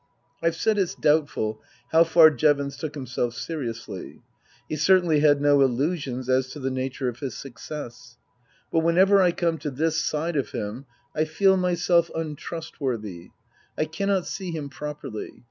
I've said it's doubtful how far Jevons took himself seriously. He certainly had no illusions as to the nature of his success. But whenever I come to this side of him I feel myself untrustworthy. I cannot see him properly.